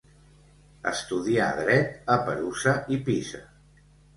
Estudia dret a Perusa i Pisa.